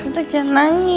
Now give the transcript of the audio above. tuh jan nangis